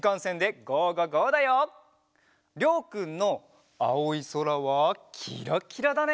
りょうくんのあおいそらはキラキラだね。